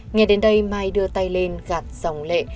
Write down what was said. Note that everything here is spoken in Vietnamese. nghe đến đây mai đưa tay lên gạt dòng lệ